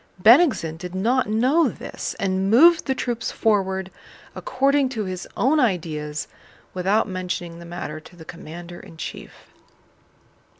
Bennigsen did not know this and moved the troops forward according to his own ideas without mentioning the matter to the commander in chief.